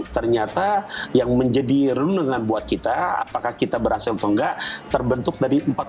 ternyata yang menjadi renungan buat kita apakah kita berhasil atau enggak terbentuk dari empat